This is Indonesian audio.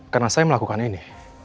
karena saya melakukan ini